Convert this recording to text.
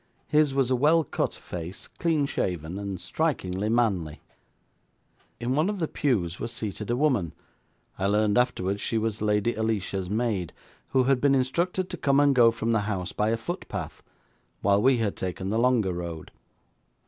His was a well cut face, clean shaven, and strikingly manly. In one of the pews was seated a woman I learned afterwards she was Lady Alicia's maid, who had been instructed to come and go from the house by a footpath, while we had taken the longer road.